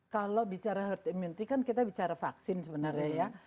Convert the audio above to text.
kalau bicara herd immunity kan kita bicara vaksin sebenarnya ya